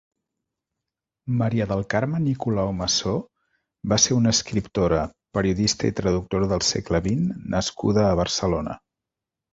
Maria del Carme Nicolau Massó va ser una escriptora, periodista i traductora del segle vint nascuda a Barcelona.